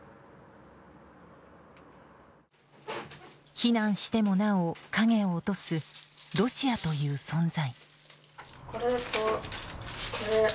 避難してもなお影を落とすロシアという存在。